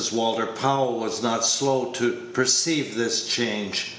Walter Powell was not slow to perceive this change.